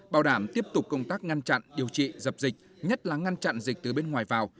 bảo đảm tiếp tục công tác ngăn chặn điều trị dập dịch nhất là ngăn chặn dịch từ bên ngoài vào